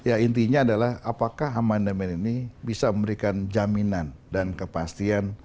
ya intinya adalah apakah amandemen ini bisa memberikan jaminan dan kepastian